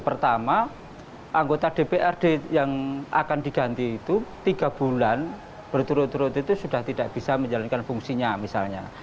pertama anggota dprd yang akan diganti itu tiga bulan berturut turut itu sudah tidak bisa menjalankan fungsinya misalnya